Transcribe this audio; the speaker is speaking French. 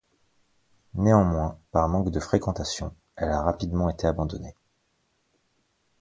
Néanmoins, par manque de fréquentation, elle a rapidement été abandonnée.